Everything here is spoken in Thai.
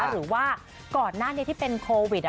หรือว่าก่อนหน้านี้ที่เป็นโควิด